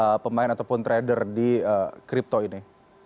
atau pembayar ataupun trader di kripto ini